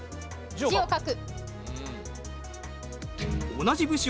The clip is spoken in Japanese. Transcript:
字を書く。